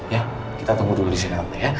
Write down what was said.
ya kita tunggu dulu di sini nanti ya